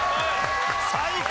最高！